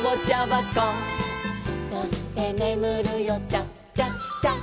「そしてねむるよチャチャチャ」